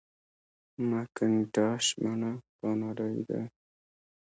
مکینټاش مڼه کاناډايي ده.